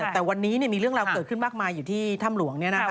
แต่วันนี้มีเรื่องราวเกิดขึ้นมากมายอยู่ที่ถ้ำหลวง